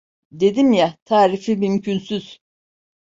Dedim ya, tarifi mümkünsüz.